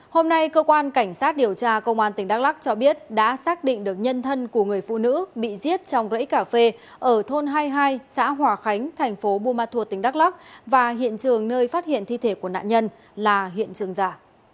hôm nay cơ quan cảnh sát điều tra công an tp hcm cho biết đã xác định được nhân thân của người phụ nữ bị giết trong rễ cà phê ở thôn hai mươi hai xã hòa khánh tp bumathuot tp hcm và hiện trường nơi phát hiện thi thể của nạn nhân là hiện trường giả